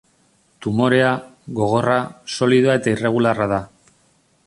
Tumorea, gogorra, solidoa eta irregularra da.